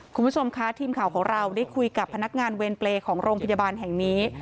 คุณผู้ชมคะทีมข่าวของเราได้คุยกับพนักงานเวรเปรย์ของโรงพยาบาลแห่งนี้